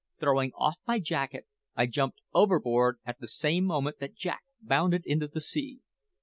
Throwing off my jacket, I jumped overboard at the same moment that Jack bounded into the sea.